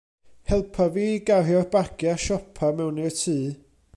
Helpa fi i gario'r bagiau siopa mewn i'r tŷ.